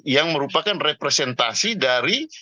yang merupakan representasi dari